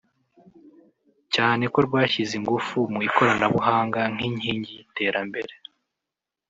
cyane ko rwashyize ingufu mu ikoranabuhanga nk’inkingi y’iterambere